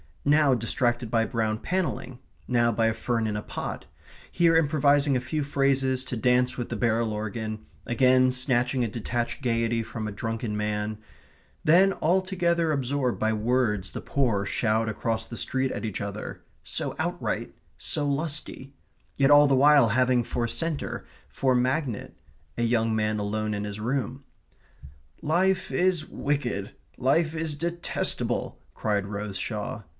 Now distracted by brown panelling; now by a fern in a pot; here improvising a few phrases to dance with the barrel organ; again snatching a detached gaiety from a drunken man; then altogether absorbed by words the poor shout across the street at each other (so outright, so lusty) yet all the while having for centre, for magnet, a young man alone in his room. "Life is wicked life is detestable," cried Rose Shaw.